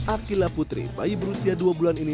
akila putri bayi berusia dua bulan ini